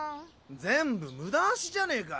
全部無駄足じゃねえか！